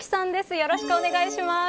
よろしくお願いします。